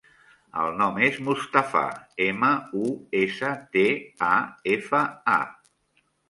El nom és Mustafa: ema, u, essa, te, a, efa, a.